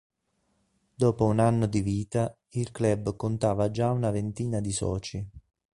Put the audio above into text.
Dopo un anno di vita il Club contava già una ventina di soci.